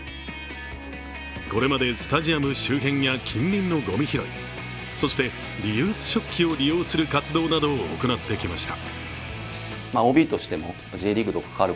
これまでスタジアム周辺や近隣のごみ拾い、そしてリユース食器を利用する活動などを行ってきました。